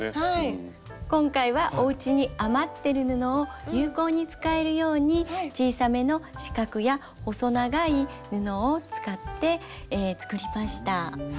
今回はお家に余ってる布を有効に使えるように小さめの四角や細長い布を使って作りました。